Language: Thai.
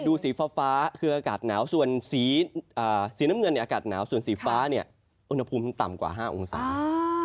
เห็นสีฟ้านิดนึงแล้วว่าสีน้ำเงินนี่หากาศหนาวสีฟ้าอุณหภูมิถึงต่ำกว่า๕องศา